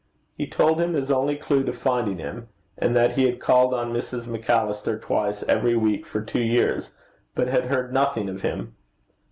He told him his only clue to finding him; and that he had called on Mrs. Macallister twice every week for two years, but had heard nothing of him.